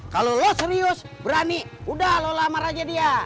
kalo lo serius berani udah lo lamar aja dia